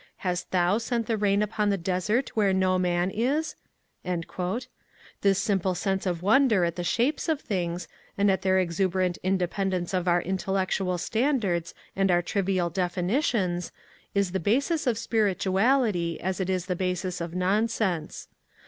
Hast Thou sent the rain upon the desert where no man is?" This simple sense of wonder at the shapes of things, and at their exuberant independence of our intellectual standards and our trivial definitions, is the basis of spirituality as it is the basis of nonsense.